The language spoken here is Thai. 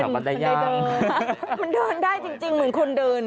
มันเดินได้จริงเหมือนคนเดิน